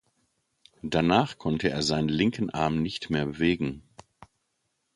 Danach konnte er seinen linken Arm nicht mehr bewegen.